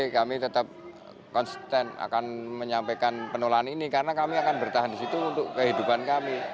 kami tetap konsisten akan menyampaikan penolaan ini karena kami akan bertahan di situ untuk kehidupan kami